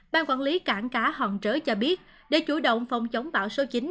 ban quản lý cảng cá hòn trở cho biết để chủ động phòng chống bão số chín